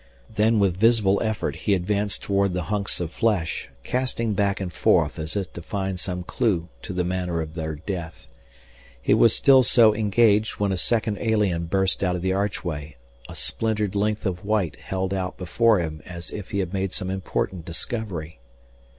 Then with visible effort he advanced toward the hunks of flesh, casting back and forth as if to find some clue to the manner of their death. He was still so engaged when a second alien burst out of the archway, a splintered length of white held out before him as if he had made some important discovery.